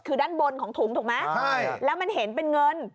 คือด้านบนของถุงถูกไหมใช่แล้วมันเห็นเป็นเงิน